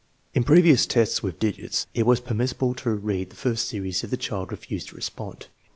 In previous tests with digits, it was permissible to re read the first series if the child refused to respond.